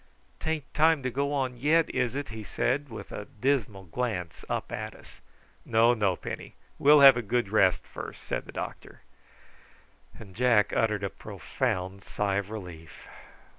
"Tain't time to go on yet, is it?" he said with a dismal glance up at us. "No, no, Penny; we'll have a good rest first," said the doctor; and Jack uttered a profound sigh of relief.